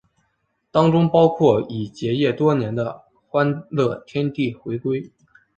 当中包括已结业多年的欢乐天地回归。